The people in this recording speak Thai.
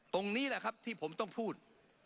ตรงนี้แหละครับที่ผมต้องพูด